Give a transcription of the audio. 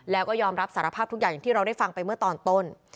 แล้วก็ยอมรับสารภาพทุกอย่างอย่างที่เราได้ฟังไปเมื่อตอนต้น